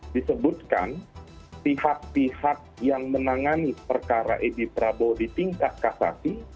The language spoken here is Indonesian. disebutkan pihak pihak yang menangani perkara edi prabowo di tingkat kasasi